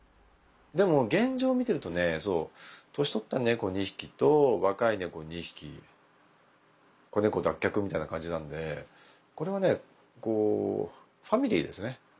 でも現状見てるとねそう年取った猫２匹と若い猫２匹子猫脱却みたいな感じなんでこれはねファミリーですね。